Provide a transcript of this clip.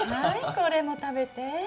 はいこれも食べて。